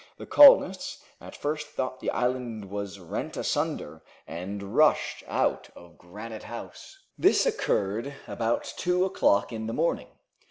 The colonists at first thought the island was rent asunder, and rushed out of Granite House. This occurred about two o'clock in the morning.